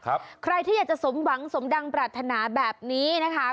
ใครที่อยากจะสมหวังสมดังปรารถนาแบบนี้นะคะ